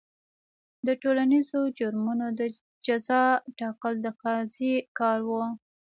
د ټولنیزو جرمونو د جزا ټاکل د قاضي کار و.